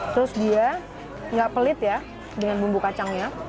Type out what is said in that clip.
terus dia nggak pelit ya dengan bumbu kacangnya